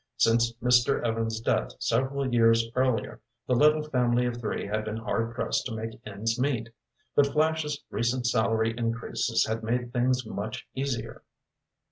Since Mr. Evans' death several years earlier, the little family of three had been hard pressed to make ends meet. But Flash's recent salary increases had made things much easier.